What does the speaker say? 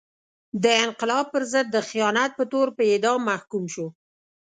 د انقلاب پر ضد د خیانت په تور په اعدام محکوم شو.